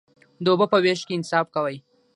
د اوبو په ویش کې انصاف کوئ؟